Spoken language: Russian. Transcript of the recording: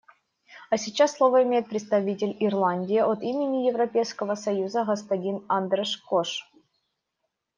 А сейчас слово имеет представитель Ирландии от имени Европейского союза — господин Андраш Кош.